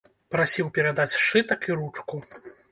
Прасіў перадаць сшытак і ручку.